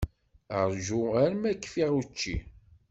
Ṛju arma kfiɣ učči.